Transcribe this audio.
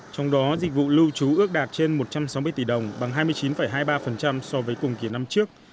trong đó dịch vụ lưu trú ước đạt trên một trăm sáu mươi tỷ đồng bằng hai mươi chín hai mươi ba so với cùng kỳ năm trước